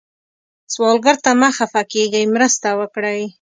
سوالګر ته مه خفه کېږئ، مرسته وکړئ